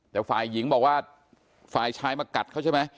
แต่ฝ่ายหญิงบอกว่าฝ่ายชายมากัดเขาใช่ไหม